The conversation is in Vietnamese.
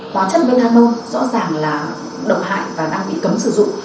hóa chất biharmo rõ ràng là độc hại và đang bị cấm sử dụng